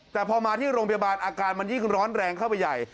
แต่พอมาที่โรงพยาบาลอาการมันยิ่งร้อนแรงเข้าไปใหญ่